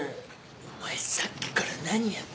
お前さっきから何やって。